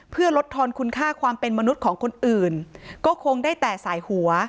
เพื่อลดทอนคุณค่าความเป็นมนุษย์ของคนอื่นก็คงได้แต่สายหัว